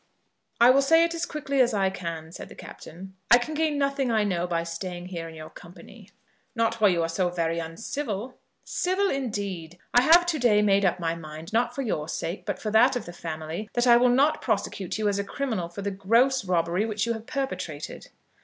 "I will say it as quickly as I can," said the Captain. "I can gain nothing I know by staying here in your company." "Not while you are so very uncivil." "Civil, indeed! I have to day made up my mind, not for your sake, but for that of the family, that I will not prosecute you as a criminal for the gross robbery which you have perpetrated."